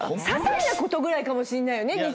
ささいなことぐらいかもしんないよね。